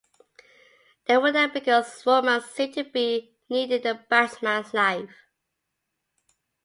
They were there because romance seemed to be needed in Batman's life.